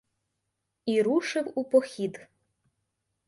І рушив у похід.